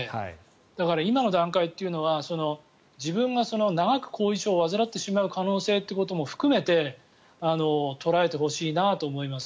だから今の段階というのは自分が長く後遺症を患ってしまう可能性ということも含めて捉えてほしいなと思います。